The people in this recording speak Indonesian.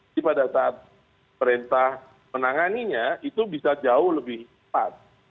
jadi pada saat perintah menanganinya itu bisa jauh lebih cepat